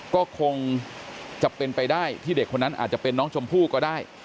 ก็คงจะเป็นไปได้ที่เด็กคนนั้นอาจจะเป็นน้องชมพู่ก็ได้